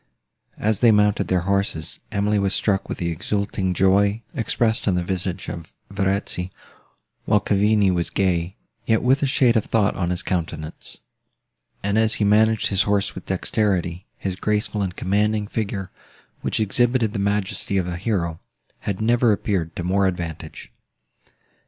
As they mounted their horses, Emily was struck with the exulting joy, expressed on the visage of Verezzi, while Cavigni was gay, yet with a shade of thought on his countenance; and, as he managed his horse with dexterity, his graceful and commanding figure, which exhibited the majesty of a hero, had never appeared to more advantage.